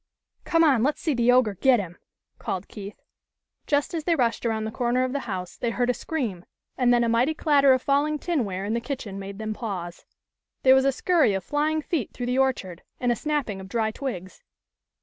" Come on, let's see the ogre get him," called Keith. Just as they rushed around the corner of the house they heard a scream, and then a mighty clatter of falling tinware in the kitchen made them pause. There was a scurry of flying feet through the orchard, and a snapping of dry twigs.